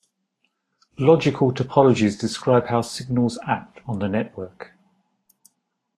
Logical topologies describe how signals act on the network.